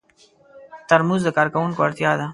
ترموز د کارکوونکو اړتیا ده.